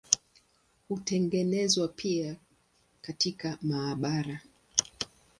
Hutengenezwa pia katika maabara.